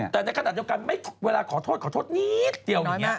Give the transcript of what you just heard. แต่ในขณะเดียวกันเวลาขอโทษขอโทษนิดเดียว